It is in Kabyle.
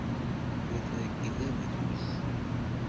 Tella treggel abduz.